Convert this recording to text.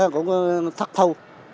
cũng thắt thu